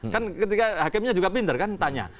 kan ketika hakimnya juga pinter kan tanya